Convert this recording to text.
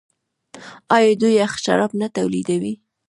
آیا دوی یخ شراب نه تولیدوي؟